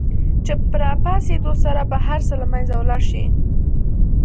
چې په را پاڅېدو سره به هر څه له منځه ولاړ شي.